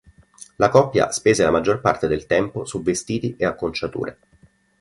La coppia spese la maggior parte del tempo su vestiti e acconciature.